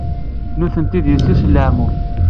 Nitenti d yessi-s n leɛmum.